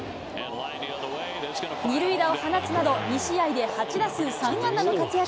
２塁打を放つなど、２試合で８打数３安打の活躍。